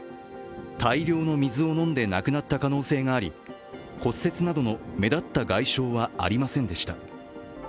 大量の水を飲んで亡くなった可能性があり骨折などの目立った外傷はありませんでした。